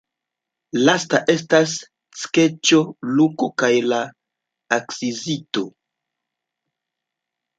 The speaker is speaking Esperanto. Lasta estas skeĉo Luko kaj la akcizisto.